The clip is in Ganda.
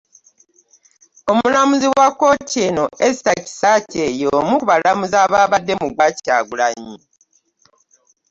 Omulamuzi wa kkooti eno, Esther Kisaakye y'omu ku balamuzi ababadde mu gwa Kyagulanyi